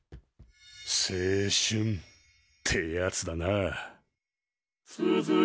青春ってやつだなあ。